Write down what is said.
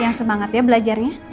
yang semangat ya belajarnya